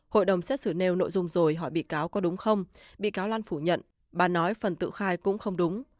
hội đồng xét xử nêu nội dung rồi hỏi bị cáo có đúng không bị cáo lan phủ nhận bà nói phần tự khai cũng không đúng